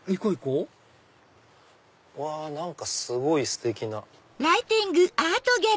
うわ何かすごいステキな。